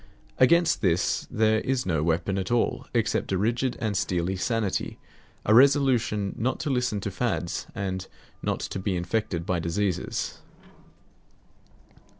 Against this there is no weapon at all except a rigid and steely sanity, a resolution not to listen to fads, and not to be infected by diseases.